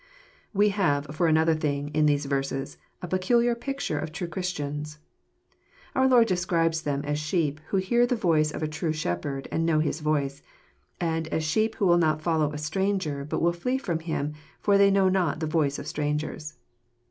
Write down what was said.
We have, for another thing, in these verses, a peculiar picture of true Christians. Our Lord describes them as sheep P who " hear the voice of a true Shepherd, and know His I voice ;" and as " sheep who will not follow a stranger, but will flee from him, for they know not the voice of strangers."